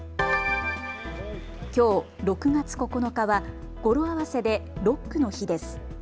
きょう６月９日は語呂合わせでロックの日です。